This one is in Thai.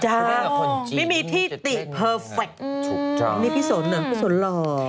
ไม่มีที่ติเพอร์เฟคถูกต้องมีพี่สนเหรอพี่สนหล่อ